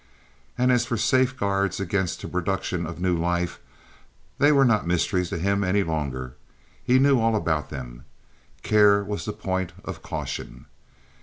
And as for safeguards against the production of new life—they were not mysteries to him any longer. He knew all about them. Care was the point of caution.